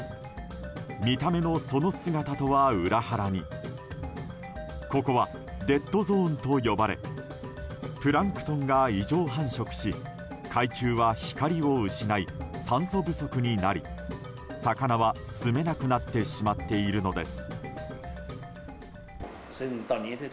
見た目の、その姿とは裏腹にここはデッドゾーンと呼ばれプランクトンが異常繁殖し海中は光を失い酸素不足になり魚は、すめなくなってしまっているのです。